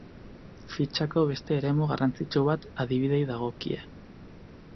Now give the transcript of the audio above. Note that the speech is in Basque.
Fitxako beste eremu garrantzitsu bat adibideei dagokie.